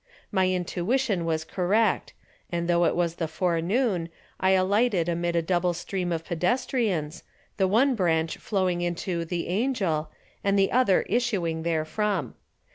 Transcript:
My intuition was correct, and though it was the forenoon I alighted amid a double stream of pedestrians, the one branch flowing into "The Angel," and the other issuing therefrom.